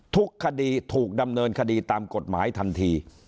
ทุกคดีถูกดำเนินคดีตามกฎหมายทันที